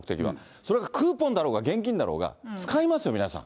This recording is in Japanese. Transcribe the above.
それがクーポンだろうが現金だろうが、使いますよ、皆さん。